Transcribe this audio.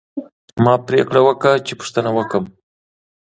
ما پریکړه وکړه چې پوښتنه وکړم.